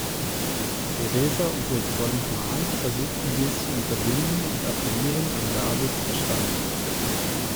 Theresa und ihr Freund Mark versuchen dies zu unterbinden und appellieren an Davids Verstand.